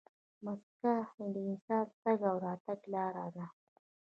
مځکه د انسان د تګ او راتګ لاره ده.